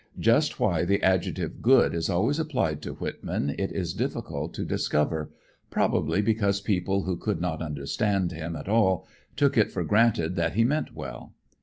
Just why the adjective good is always applied to Whitman it is difficult to discover, probably because people who could not understand him at all took it for granted that he meant well.